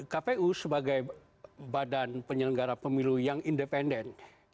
kpu sebagai badan penyelenggara pemilu yang independen